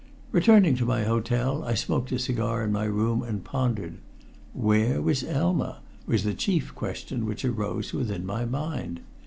Returning to my hotel, I smoked a cigar in my room and pondered. Where was Elma? was the chief question which arose within my mind.